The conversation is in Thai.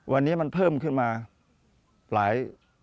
วันนี้มันเพิ่มขึ้นมาหลาย